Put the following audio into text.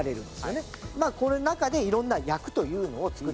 この中でいろんな役というのを作る。